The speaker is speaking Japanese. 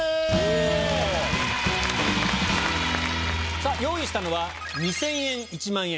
さぁ用意したのは２０００円１万円